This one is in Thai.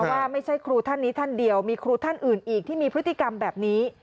ว่าไม่ใช่ครูท่านนี้ท่านเดียวมีครูท่านอื่นอีกที่มีพฤติกรรมแบบนี้